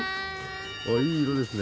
あっいい色ですね。